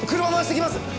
車回してきます！